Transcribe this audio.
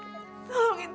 cuy tak mau tante